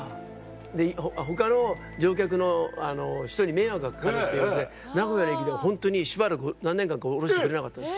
で他の乗客の人に迷惑が掛かるっていうことで名古屋の駅ではホントにしばらく何年間かは降ろしてくれなかったです。